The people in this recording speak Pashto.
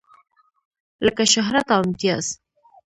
لکه شهرت او امتياز.